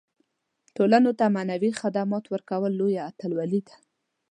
ټولنو ته معنوي خدمات ورکول لویه اتلولي ده.